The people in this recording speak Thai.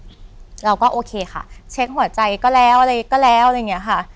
เราก็โอเคค่ะเช็คหัวใจก็แล้วอะไรก็แล้วอะไรอย่างนี้ค่ะ